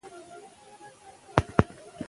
له مړو کسانو سره تماس نه نیول.